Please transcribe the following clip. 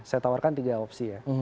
saya tawarkan tiga opsi ya